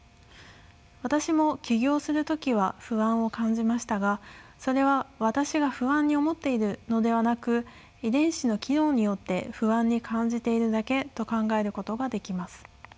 私も起業する時は不安を感じましたがそれは私が不安に思っているのではなく遺伝子の機能によって不安に感じているだけと考えることができます。